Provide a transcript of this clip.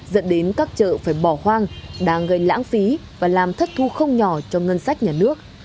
dẫn đến các chợ phải bỏ hoang đang gây lãng phí và làm thất thu không nhỏ cho ngân sách nhà nước